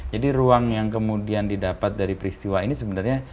jadi ruang yang kemudian didapat dari peristiwa ini sebenarnya